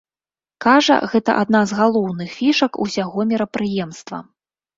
Кажа, гэта адна з галоўных фішак усяго мерапрыемства.